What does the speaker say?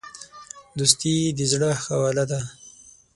دوستي د زړه خواله ده.